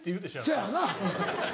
そやよな。